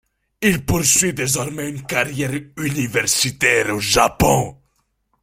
Il poursuit désormais une carrière universitaire au Japon.